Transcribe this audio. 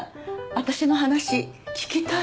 私の話聞きたい？